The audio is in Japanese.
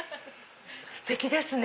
ステキですね。